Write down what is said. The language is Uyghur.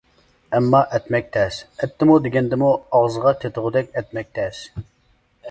ئەمما، ئەتمەك تەس، ئەتتىمۇ دېگەندىمۇ ئاغىزغا تېتىغۇدەك ئەتمەك تەس.